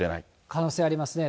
可能性ありますね。